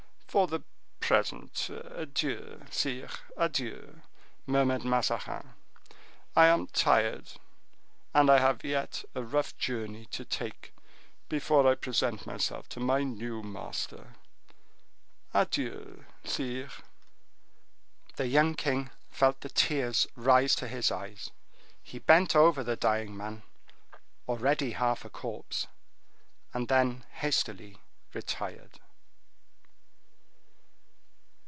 "For the present, adieu, sire! adieu," murmured Mazarin. "I am tired, and I have yet a rough journey to take before I present myself to my new Master. Adieu, sire!" The young king felt the tears rise to his eyes; he bent over the dying man, already half a corpse, and then hastily retired.